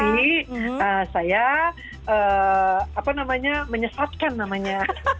nanti saya apa namanya menyesatkan namanya